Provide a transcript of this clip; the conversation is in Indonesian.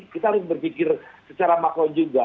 kita harus berpikir secara makron juga